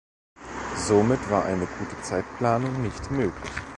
Somit war eine gute Zeitplanung nicht möglich.